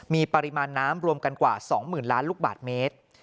มีปริมาณน้ำรวมกันกว่า๒๐๐๐ล้านลูกบาทเมตร